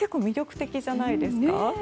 結構、魅力的じゃないですか。